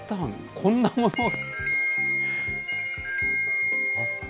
こんなものも。